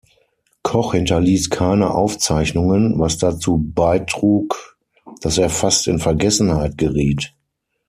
Koch hinterließ keine Aufzeichnungen, was dazu beitrug, dass er fast in Vergessenheit geriet.